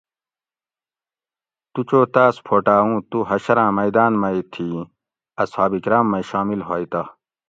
تو چو تاس پھوٹا اوُں تو حشراۤں میٔداۤن مئ تھیں اصحاب کرام مئ شامل ھوئ تہ